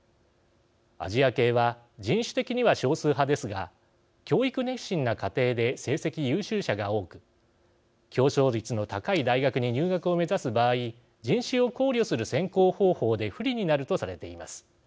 アジア系は人種的には少数派ですが教育熱心な家庭で成績優秀者が多く競争率の高い大学に入学を目指す場合人種を考慮する選考方法で不利になるとされています。